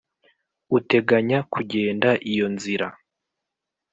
uteganya kugenda iyo nzira.